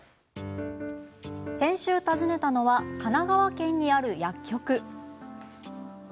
先週、訪ねたのは神奈川県にある薬局。